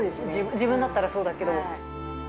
自分だったら、そうだけど。